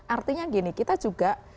artinya gini kita juga